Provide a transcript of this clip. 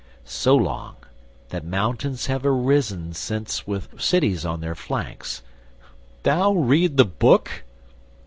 So long, that mountains have arisen since With cities on their flanks—thou read the book!